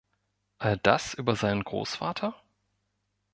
All das über seinen Großvater?